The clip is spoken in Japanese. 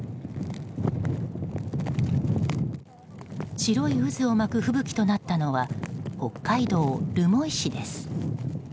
白い渦を巻く吹雪となったのは北海道留萌市です。